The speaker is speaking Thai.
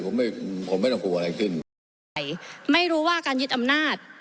ผมไม่ผมไม่ต้องกลัวอะไรขึ้นไม่รู้ว่าการยึดอำหนาต